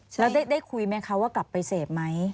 แล้วได้คุยไหมเค้าว่ากลับไปเสพมั้ย